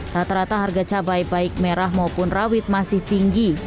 rata rata harga cabai baik merah maupun rawit masih tinggi